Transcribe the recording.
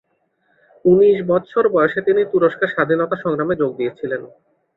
উনিশ বৎসর বয়সে তিনি তুরস্কের স্বাধীনতা সংগ্রামে যোগ দিয়েছিলেন।